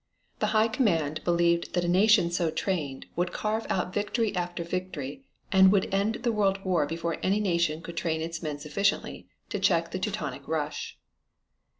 The High Command believed that a nation so trained would carve out victory after victory and would end the World War before any nation could train its men sufficiently to check the Teutonic rush.